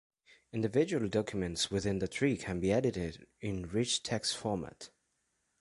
Individual documents within the tree can be edited in Rich Text Format.